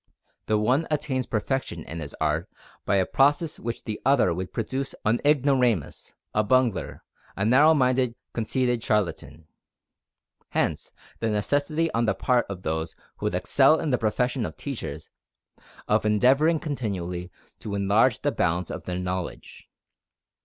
The one attains perfection in his art by a process which in the other would produce an ignoramus, a bungler, a narrow minded, conceited charlatan. Hence the necessity on the part of those who would excel in the profession of teachers, of endeavoring continually to enlarge the bounds of their knowledge.